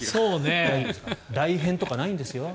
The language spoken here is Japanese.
代返とかないんですよ。